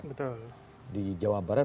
betul di jawa barat